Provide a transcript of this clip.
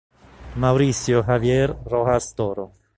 Mauricio Javier Rojas Toro